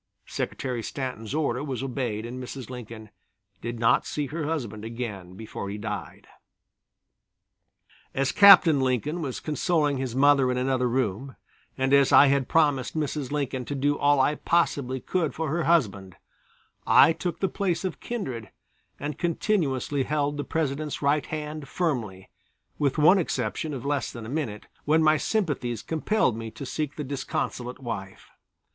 Secretary Stanton's order was obeyed and Mrs. Lincoln did not see her husband again before he died. As Captain Lincoln was consoling his mother in another room, and as I had promised Mrs. Lincoln to do all I possibly could for her husband, I took the place of kindred and continuously held the President's right hand firmly, with one exception of less than a minute, when my sympathies compelled me to seek the disconsolate wife.